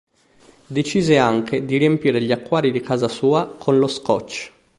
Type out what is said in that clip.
Decise anche di riempire gli acquari di casa sua con lo Scotch.